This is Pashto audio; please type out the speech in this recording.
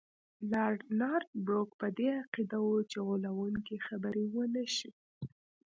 لارډ نارت بروک په دې عقیده وو چې غولونکي خبرې ونه شي.